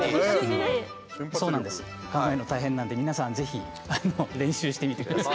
考えるの大変なので皆さんぜひ練習してください。